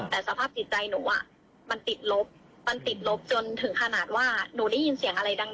แต่สภาพจิตใจหนูอ่ะมันติดลบมันติดลบจนถึงขนาดว่าหนูได้ยินเสียงอะไรดัง